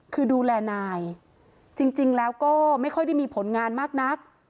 คือดูแลนายจริงแล้วก็ไม่ค่อยได้มีผลงานมากนัก